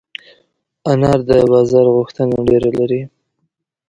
انار د بازار غوښتنه ډېره لري.